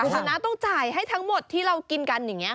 คุณชนะต้องจ่ายให้ทั้งหมดที่เรากินกันอย่างนี้